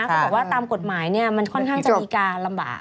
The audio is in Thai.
เขาบอกว่าตามกฎหมายมันค่อนข้างจะมีการลำบาก